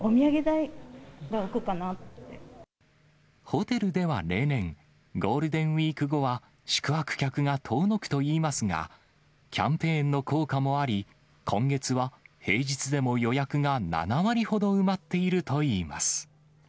ホテルでは例年、ゴールデンウィーク後は宿泊客が遠のくといいますが、キャンペーンの効果もあり、今月は平日でも予約が７割ほど埋まっているといいます。